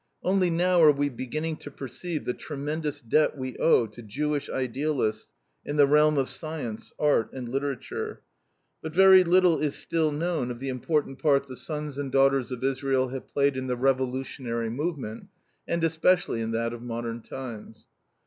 Only now are we beginning to perceive the tremendous debt we owe to Jewish idealists in the realm of science, art, and literature. But very little is still known of the important part the sons and daughters of Israel have played in the revolutionary movement and, especially, in that of modern times.